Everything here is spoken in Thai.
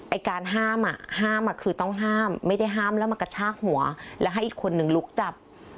ไอ้การห้ามอ่ะห้ามอ่ะคือต้องห้ามไม่ได้ห้ามแล้วมากระชากหัวแล้วให้อีกคนนึงลุกจับ